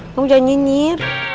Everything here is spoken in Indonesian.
kamu jangan nyinyir